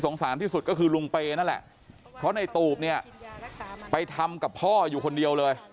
ในตูบเนี่ยไปทำกับพ่ออยู่คนเดียวเลย